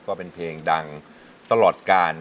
ก็เป็นเพลงดังตลอดกาล